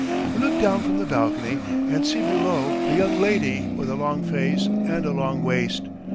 I look down from the balcony and see below a young lady with a long face and a long waist.